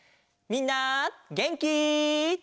みんなげんき？